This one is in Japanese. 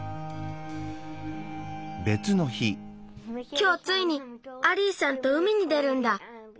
きょうついにアリーさんと海に出るんだ。